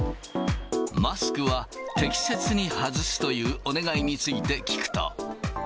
マスクは適切に外すというお願いについて聞くと。